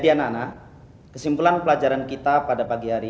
ini dapat berjalan contact